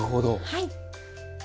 はい。